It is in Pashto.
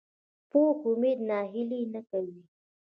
پوخ امید ناهیلي نه کوي